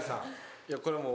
いやこれもう。